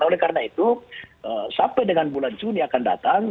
oleh karena itu sampai dengan bulan juni akan datang